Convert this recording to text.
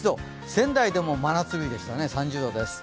仙台でも真夏日でしたね、３０度です。